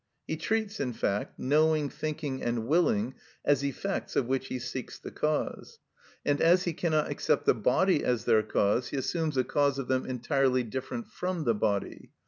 He treats, in fact, knowing, thinking, and willing as effects of which he seeks the cause, and as he cannot accept the body as their cause, he assumes a cause of them entirely different from the body.